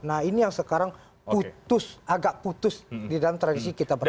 nah ini yang sekarang putus agak putus di dalam tradisi kita bersama